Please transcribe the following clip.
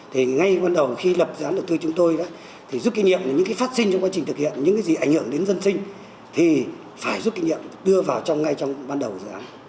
thì ngay ban đầu khi lập dự án đầu tư chúng tôi thì giúp kinh nghiệm những phát sinh trong quá trình thực hiện những gì ảnh hưởng đến dân sinh thì phải giúp kinh nghiệm đưa vào ngay trong ban đầu dự án